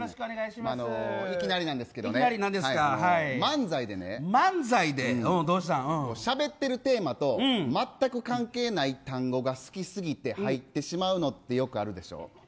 いきなりなんですけど漫才でしゃべっているテーマと全く関係ない単語が好きすぎて入ってしまうのってよくあるでしょ。